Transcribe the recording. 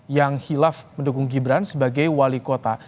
yang hilaf mendukung gibran sebagai wali kota